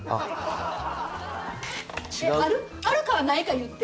あるかないか言って。